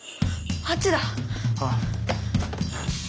ああ。